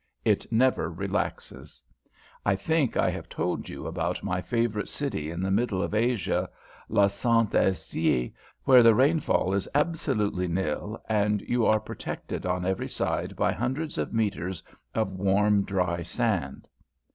It never relaxes. I think I have told you about my favourite city in the middle of Asia, la sainte Asie, where the rainfall is absolutely nil, and you are protected on every side by hundreds of metres of warm, dry sand.